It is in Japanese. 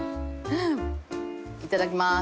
いただきます。